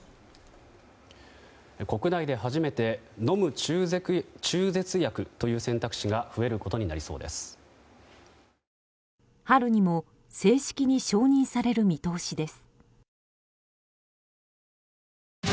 国内で初めて飲む中絶薬という選択肢が増えることになりそうです。